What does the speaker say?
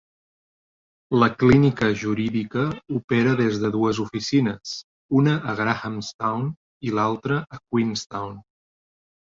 La clínica jurídica opera des de dues oficines, una a Grahamstown i l'altra a Queenstown.